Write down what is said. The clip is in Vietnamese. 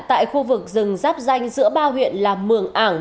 tại khu vực rừng giáp danh giữa ba huyện là mường ảng